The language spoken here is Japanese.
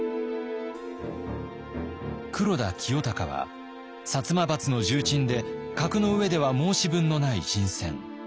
黒田清隆は摩閥の重鎮で格の上では申し分のない人選。